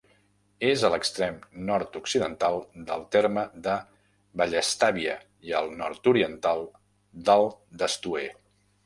És a l'extrem nord-occidental del terme de Vallestàvia i al nord-oriental del d'Estoer.